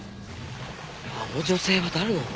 あの女性は誰なの？